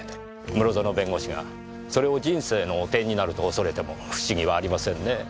室園弁護士がそれを人生の汚点になると恐れても不思議はありませんね。